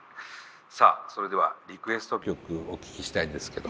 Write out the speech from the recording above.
さあそれではリクエスト曲お聞きしたいんですけど。